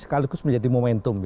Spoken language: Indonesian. sekaligus menjadi momentum